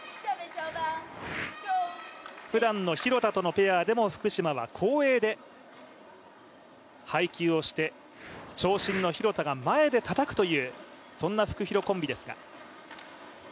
ふだんの廣田とのペアでも福島は後衛で配球をして、長身の廣田が前でたたくというそんな、フクヒロコンビですが。